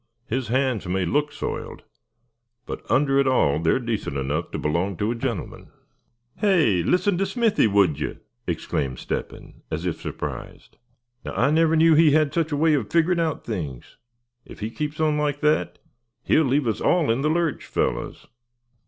His hands may look soiled, but under it all they're decent enough to belong to a gentleman." "Hey! listen to Smithy, would you?" exclaimed Step hen, as if surprised. "Now, I never knew he had such a way of figgering out things. If he keeps on like that, he'll leave us all in the lurch, fellers."